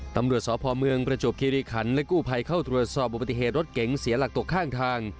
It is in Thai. ตำรวจสพเมืองประจวบคิริขันและกู้ภัยเข้าตรวจสอบอุบัติเหตุรถเก๋งเสียหลักตกข้างทาง